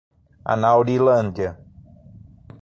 Anaurilândia